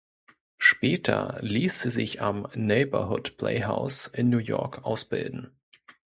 Später ließ sie sich am Neighborhood Playhouse in New York ausbilden.